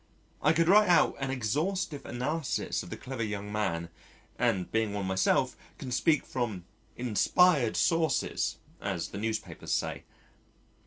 I could write out an exhaustive analysis of the clever young man, and being one myself can speak from "inspired sources" as the newspapers say.